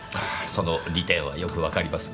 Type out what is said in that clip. その利点はよくわかりますね。